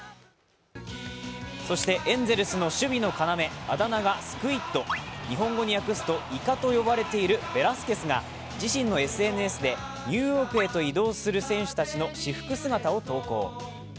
そして、エンゼルスの守備の要、あだ名がスクイッド日本語に訳すと、イカと呼ばれているベラスケスが自身のＳＮＳで、ニューヨークへと移動する選手たちの私服姿を投稿。